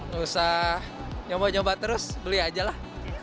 nusah nyoba nyoba terus beli aja lah